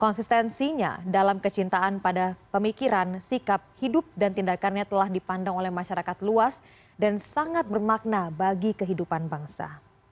konsistensinya dalam kecintaan pada pemikiran sikap hidup dan tindakannya telah dipandang oleh masyarakat luas dan sangat bermakna bagi kehidupan bangsa